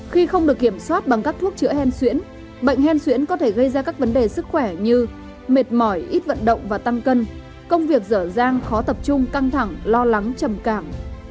khi không được kiểm soát bằng các thuốc chữa hen xuyễn bệnh hen xuyễn có thể gây ra các vấn đề sức khỏe như mệt mỏi ít vận động và tăng cân công việc dở dang khó tập trung căng thẳng lo lắng trầm cảm